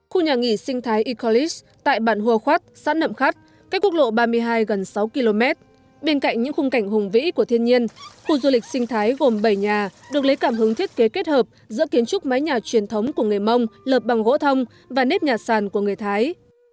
khu nhà nghỉ sinh thái ecolis tại bản hùa khoát xã nậm khắt cách quốc lộ ba mươi hai gần sáu km bên cạnh những khung cảnh hùng vĩ của thiên nhiên khu du lịch sinh thái gồm bảy nhà được lấy cảm hứng thiết kế kết hợp giữa kiến trúc mái nhà truyền thống của người mông lợp bằng gỗ thông và nếp nhà sàn của người thái